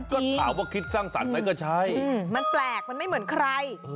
ก็ถามว่าคิดสร้างสรรค์ไหมก็ใช่มันแปลกมันไม่เหมือนใคร